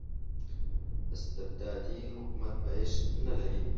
استبدادي حکومت پایښت نلري.